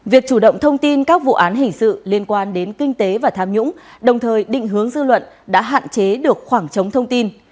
việc chủ động thông tin các vụ án hình sự liên quan đến kinh tế và tham nhũng đồng thời định hướng dư luận đã hạn chế được khoảng trống thông tin